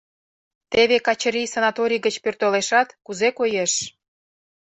Теве Качырий санаторий гыч пӧртылешат, кузе коеш.